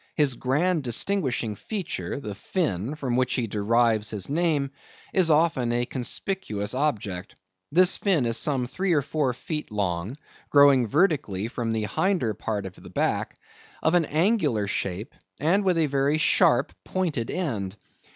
His grand distinguishing feature, the fin, from which he derives his name, is often a conspicuous object. This fin is some three or four feet long, growing vertically from the hinder part of the back, of an angular shape, and with a very sharp pointed end.